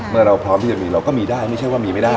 เราพร้อมที่จะมีเราก็มีได้ไม่ใช่ว่ามีไม่ได้